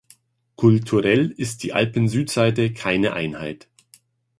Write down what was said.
Kulturell ist die Alpensüdseite keine Einheit.